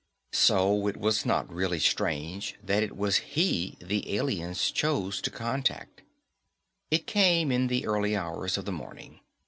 So it was not really strange that it was he the aliens chose to contact. It came in the early hours of the morning.